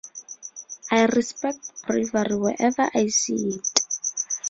I respect bravery wherever I see it.